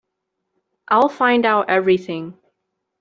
I'll find out everything.